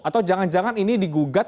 atau jangan jangan ini digugat